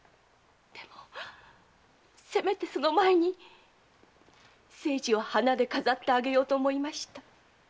でもせめてその前に清次を花で飾ってあげようと思いました。